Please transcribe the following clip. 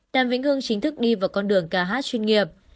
đàm vĩnh hưng chính thức đi vào con đường ca hát chuyên nghiệp